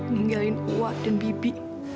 ninggalin uak dan bibi